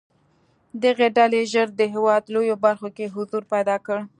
دغې ډلې ژر د هېواد لویو برخو کې حضور پیدا کړ.